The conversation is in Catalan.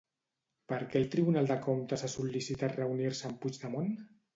Per què el Tribunal de Comptes ha sol·licitat reunir-se amb Puigdemont?